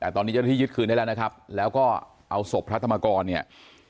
แต่ตอนนี้เจ้าหน้าที่ยึดคืนได้แล้วนะครับแล้วก็เอาศพพระธรรมกรเนี่ย